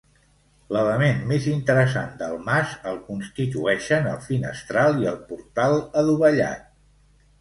L'element més interessant del mas el constitueixen el finestral i el portal adovellat.